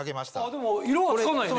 でも色はつかないね。